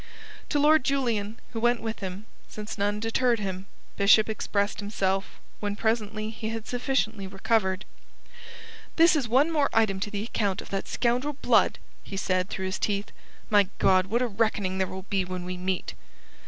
To Lord Julian, who went with him, since none deterred him, Bishop expressed himself when presently he had sufficiently recovered. "This is one more item to the account of that scoundrel Blood," he said, through his teeth. "My God, what a reckoning there will be when we meet!"